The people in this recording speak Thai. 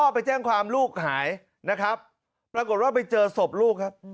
ประกดว่าไปเจอศพลูกครับ